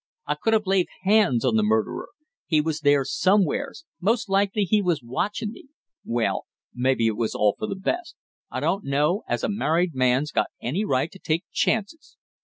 I could have laid hands on the murderer. He was there somewheres, most likely he was watching me; well, maybe it was all for the best, I don't know as a married man's got any right to take chances.